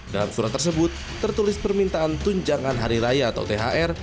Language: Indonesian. dalam surat tersebut tertulis permintaan tunjangan hari raya atau thr